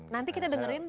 nanti kita dengerin deh ya